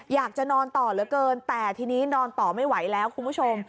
อยากจะนอนต่อเหลือเกินแต่ทีนี้นอนต่อไม่ไหวแล้วคุณผู้ชม